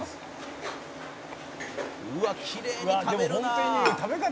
「うわっきれいに食べるな！」